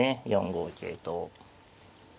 ４五桂と。